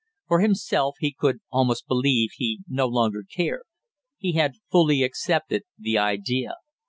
For himself he could almost believe he no longer cared; he had fully accepted the idea.